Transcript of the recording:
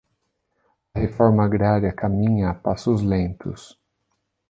A reforma agrária caminha a passos lentos